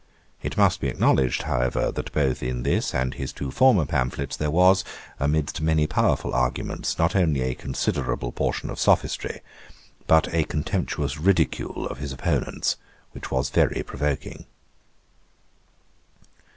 It must be acknowledged, however, that both in this and his two former pamphlets, there was, amidst many powerful arguments, not only a considerable portion of sophistry, but a contemptuous ridicule of his opponents, which was very provoking.